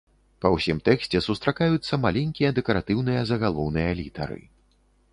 Па ўсім тэксце сустракаюцца маленькія дэкаратыўныя загалоўныя літары.